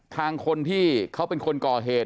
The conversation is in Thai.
ทางคนที่เขาเป็นคนก่อเหตุ